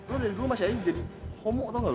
lo dari dulu masih aja jadi homo tau gak lo